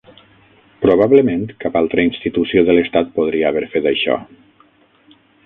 Probablement cap altra institució de l'Estat podria haver fet això.